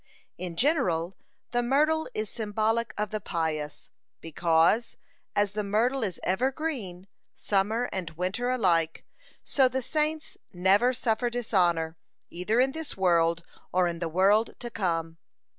In general, the myrtle is symbolic of the pious, because, as the myrtle is ever green, summer and winter alike, so the saints never suffer dishonor, either in this world or in the world to come.